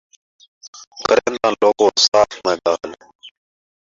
کرینداں لوکو صاف میں ڳال